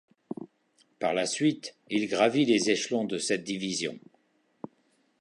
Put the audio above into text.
Par la suite, il gravit les échelons de cette division.